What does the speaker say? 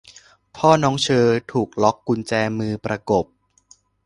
'พ่อน้องเฌอ' ถูกล็อคกุญแจมือประกบ